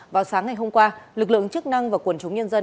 vào sáng ngày hôm qua lực lượng chức năng và quần chúng nhân dân